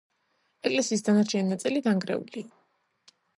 ეკლესიის დანარჩენი ნაწილი დანგრეულია.